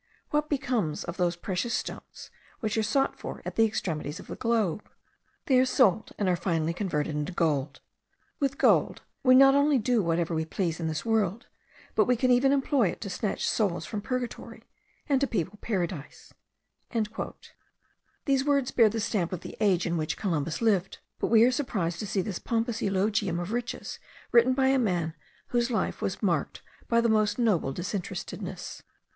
What becomes of those precious stones, which are sought for at the extremities of the globe? They are sold, and are finally converted into gold. With gold we not only do whatever we please in this world, but we can even employ it to snatch souls from Purgatory, and to people Paradise." These words bear the stamp of the age in which Columbus lived; but we are surprised to see this pompous eulogium of riches written by a man whose whole life was marked by the most noble disinterestedness.